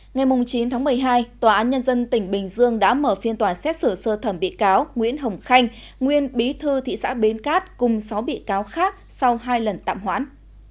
ngày chín tháng một mươi hai tòa án nhân dân tỉnh bình dương đã mở phiên tòa xét xử sơ thẩm bị cáo nguyễn hồng khanh nguyên bí thư thị xã bến cát cùng sáu bị cáo khác sau hai lần tạm hoãn